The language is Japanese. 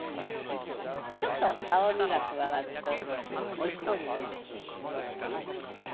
ちょっと青みが加わるとおいしそうに見える。